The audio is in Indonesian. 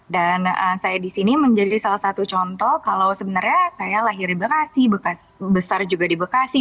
dan saya di sini menjadi salah satu contoh kalau sebenarnya saya lahir di bekasi besar juga di bekasi